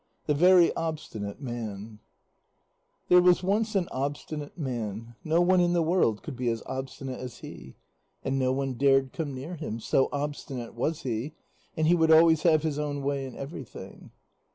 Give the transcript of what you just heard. THE VERY OBSTINATE MAN There was once an Obstinate Man no one in the world could be as obstinate as he. And no one dared come near him, so obstinate was he, and he would always have his own way in everything.